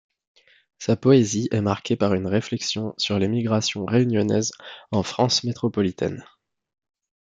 Sa poésie est marquée par une réflexion sur l'émigration réunionnaise en France métropolitaine.